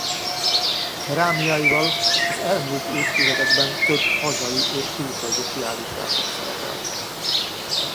Kerámiáival az elmúlt évtizedekben több hazai és külföldi kiállításon szerepelt.